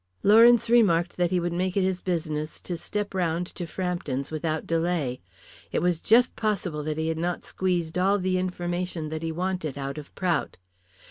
Lawrence remarked that he would make it his business to step round to Frampton's without delay. It was just possible that he had not squeezed all the information that he wanted out of Prout.